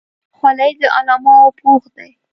خولۍ د علماو پوښ دی.